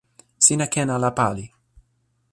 sina ken ala pali.